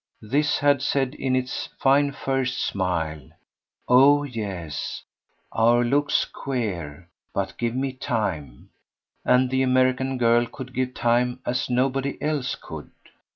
This had said in its fine first smile "Oh yes, our look's queer but give me time"; and the American girl could give time as nobody else could.